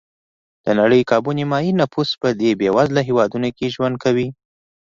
د نړۍ کابو نیمایي نفوس په دې بېوزله هېوادونو کې ژوند کوي.